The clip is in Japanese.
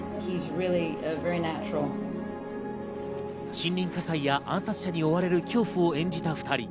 森林火災や暗殺者に追われる恐怖を演じた２人。